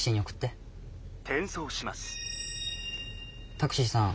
タクシーさん